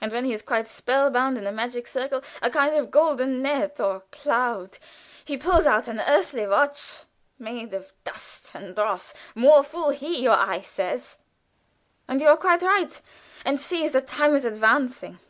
And when he is quite spell bound, in a magic circle, a kind of golden net or cloud, he pulls out an earthly watch, made of dust and dross ('More fool he,' your eye says, and you are quite right), and sees that time is advancing.